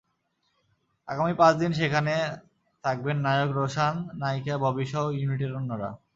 আগামী পাঁচ দিন সেখানে থাকবেন নায়ক রোশান, নায়িকা ববিসহ ইউনিটের অন্যরা।